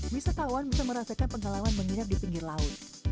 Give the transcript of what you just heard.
wisatawan bisa merasakan pengalaman menginap di pinggir laut